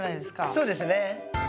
そうですね。